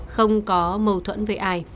không có mâu thuẫn với ai